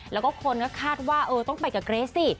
แล้วก็คนก็คาดว่าต้องไปกับเกรสสิ